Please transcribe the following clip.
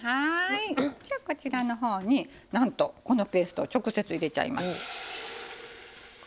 こちらのほうになんとこのペーストを直接入れちゃいます。